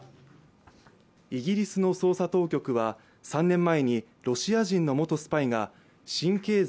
イギリスの捜査当局は３年前にロシア人の元スパイが神経剤